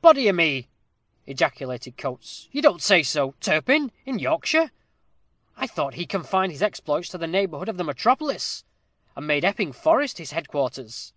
"Body o' me!" ejaculated Coates, "you don't say so? Turpin in Yorkshire! I thought he confined his exploits to the neighborhood of the metropolis, and made Epping Forest his headquarters."